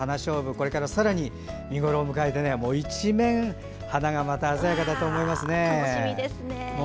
これからさらに見頃を迎えて一面、花が鮮やかだと思います。